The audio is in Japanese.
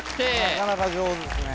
なかなか上手ですね